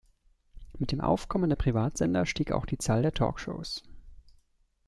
Mit dem Aufkommen der Privatsender stieg auch die Zahl der Talkshows.